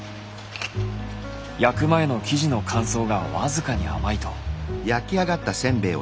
焼く前の生地の乾燥がわずかに甘いと。